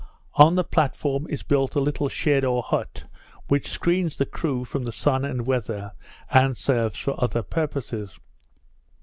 On the platform is built a little shed or hut, which screens the crew from the sun and weather, and serves for other purposes.